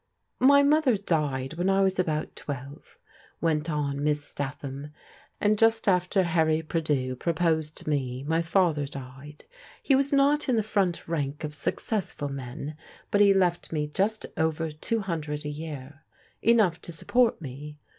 " My mother died when I was about twelve," went on Miss Statham, " and just after Harry Prideaux proposed to me my father died. He was not in the front rank of successful men, but he left me just over two hundred a year — enough to support me.